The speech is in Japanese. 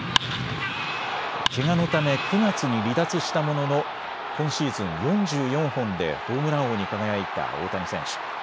けがのため９月に離脱したものの今シーズン４４本でホームラン王に輝いた大谷選手。